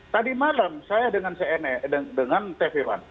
tadi malam saya dengan tv one